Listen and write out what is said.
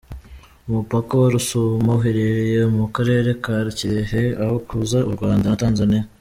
Umupaka wa Rusumo uherereye mu karere ka Kirehe, aho uhuza u Rwanda na Tanzania.